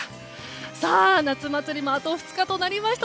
夏祭りもあと２日となりました。